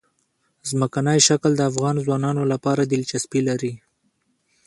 ځمکنی شکل د افغان ځوانانو لپاره دلچسپي لري.